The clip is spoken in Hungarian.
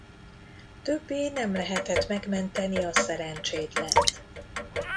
Többé nem lehetett megmenteni a szerencsétlent.